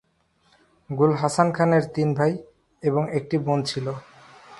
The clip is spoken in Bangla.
গুল হাসান খানের তিন ভাই এবং একটি বোন ছিল।